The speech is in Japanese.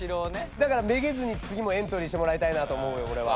だからめげずにつぎもエントリーしてもらいたいなと思うよオレは。